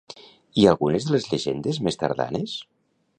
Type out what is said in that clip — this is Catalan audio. I algunes de les llegendes més tardanes?